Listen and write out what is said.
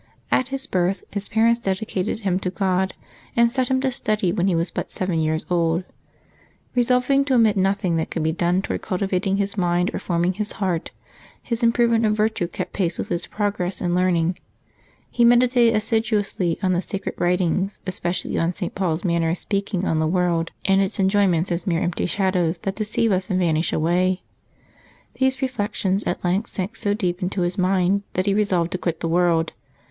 At his birth his parents dedicated him to God, and set him to study when he was but seven years old, resolving to omit nothing that could be done toward cultivating his mind or forming his heart. His improve ment in virtue kept pace with his progress in learning : he meditated assiduously on the sacred wTitings, especially on St. Paul's manner of speaking on the world and its enjoy ments as mere empty shadows that deceive us and vanish away. These reflections at length sank so deep into his mind that he resolved to quit the world.